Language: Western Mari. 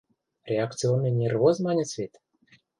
«Реакционный нервоз» маньыц вет?